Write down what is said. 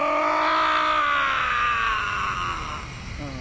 ああ？